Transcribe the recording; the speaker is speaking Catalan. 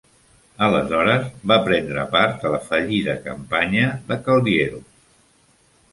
Aleshores va prendre part a la fallida campanya de Caldiero.